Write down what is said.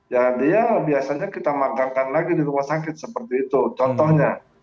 ya dia biasanya kita makamkan lagi di rumah sakit seperti itu contohnya